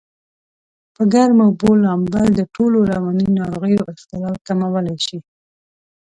په ګرمو اوبو لامبل دټولو رواني ناروغیو اختلال کمولای شي.